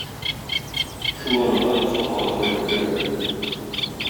Шул арада Сафа да кайтып керде.